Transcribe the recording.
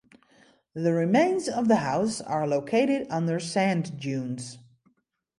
The remains of the house are located under sand dunes.